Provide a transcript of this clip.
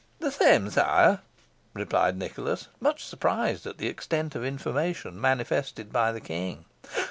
"The same, sire," replied Nicholas, much surprised at the extent of information manifested by the King.